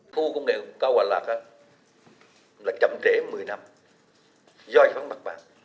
khu công nghiệp cao hòa lạc là chậm trễ một mươi năm do giải phóng mật bằng